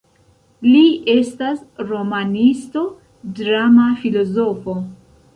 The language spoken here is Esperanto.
Li estas romanisto, drama filozofo.